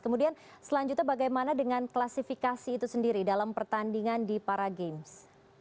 kemudian selanjutnya bagaimana dengan klasifikasi itu sendiri dalam pertandingan di para games